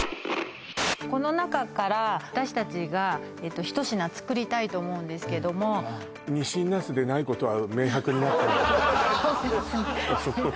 この中から私たちがえと一品作りたいと思うんですけどもにしんなすでないことは明白になったそうですね